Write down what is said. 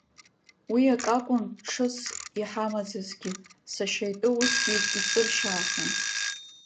Уи ак акун ҽыс иҳамаӡазгьы, сашьа итәы усгьы иҵыршьаахьан.